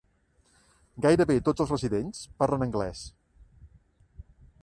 Gairebé tots els residents parlen anglès.